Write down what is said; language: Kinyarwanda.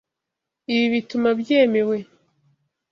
Ibi bituma byemewe.